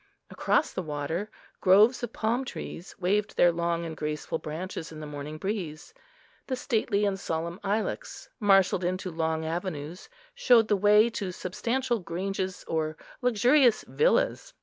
Across the water, groves of palm trees waved their long and graceful branches in the morning breeze. The stately and solemn ilex, marshalled into long avenues, showed the way to substantial granges or luxurious villas.